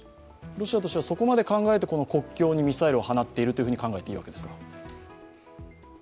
ロシアとしては、そこまで考えて国境にミサイルを放っていると考えていいですか？